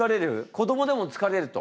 子供でも疲れると。